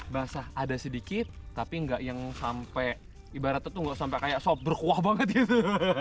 basah ada sedikit tapi tidak yang sampai ibaratnya tidak sampai seperti sop berkuah banget gitu